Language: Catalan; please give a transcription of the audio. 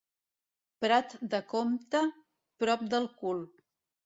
Prat de Comte, prop del cul.